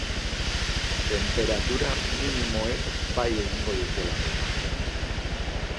Tenperatura minimoek bai egingo dutela behera.